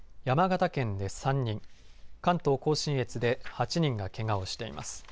山形県で３人関東甲信越で８人が、けがをしています。